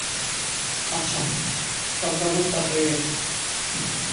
আচ্ছা, সব ব্যাবস্থা হয়ে গেছে।